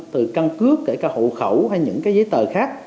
từ căn cước kể cả hộ khẩu hay những cái giấy tờ khác